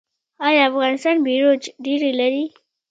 آیا افغانستان بیروج ډبرې لري؟